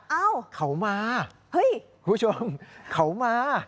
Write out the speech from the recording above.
เอ้าเขามาเฮ้ยคุณผู้ชมเขามา